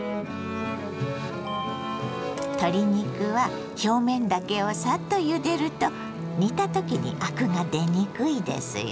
鶏肉は表面だけをサッとゆでると煮た時にアクが出にくいですよ。